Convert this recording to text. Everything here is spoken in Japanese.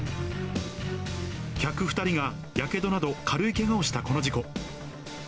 客２人がやけどなど軽いけがをしたこの事故。